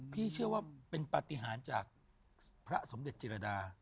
พี่เชื่อว่าเป็นปฏิหารจากพระสมเด็จจิรดา